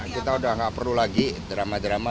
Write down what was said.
kita sudah tidak perlu lagi drama drama